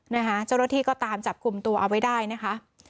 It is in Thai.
นะคะเจ้าหน้าที่ก็ตามจับกลุ่มตัวเอาไว้ได้นะคะ